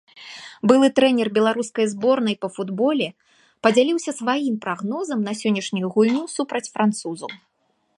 Былы трэнер беларускай зборнай па футболе падзяліўся сваім прагнозам на сённяшнюю гульню супраць французаў.